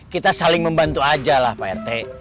kita saling membantu aja lah pak rt